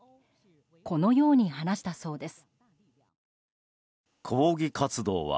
このように話したそうです。